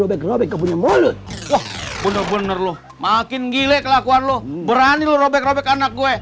bener bener lo makin gila kelakuan lo berani robek robek anak gue